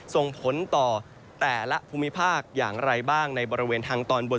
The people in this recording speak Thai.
ส่งผลต่อแต่ละภูมิภาคอย่างไรบ้างในบริเวณทางตอนบน